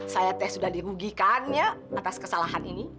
saya teh sudah dirugikan ya atas kesalahan ini